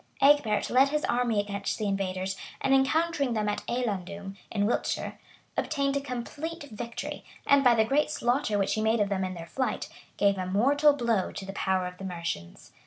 Egbert led his army against the invaders; and encountering them at Ellandun, in Wiltshire, obtained a complete victory, and by the great slaughter which he made of them in their flight, gave a mortal blow to the power of the Mercians.